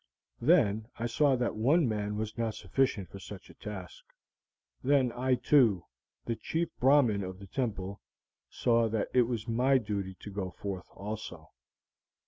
Then I saw that one man was not sufficient for such a task. Then I, too, the Chief Brahmin of the temple, saw that it was my duty to go forth also.